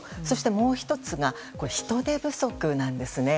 もう１つが、人手不足なんですね。